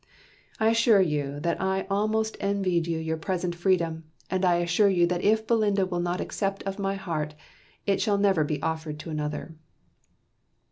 "I assure you that I almost envy you your present freedom and I assure you that if Belinda will not accept of my heart, it shall never be offered to another."